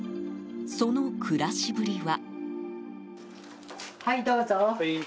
その暮らしぶりは？